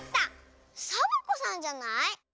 サボ子さんじゃない？